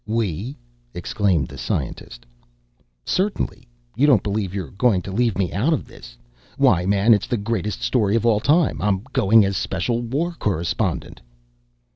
"We?" exclaimed the scientist. "Certainly, you don't believe you're going to leave me out of this. Why, man, it's the greatest story of all time. I'm going as special war correspondent."